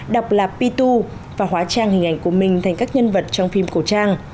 đọc là p hai và hóa trang hình ảnh của mình thành các nhân vật trong phim cổ trang